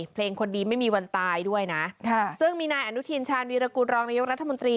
เพลงคนดีไม่มีวันตายด้วยนะซึ่งมีนายอนุทินชาญวีรกุลรองนายกรัฐมนตรี